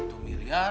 bisa dua miliar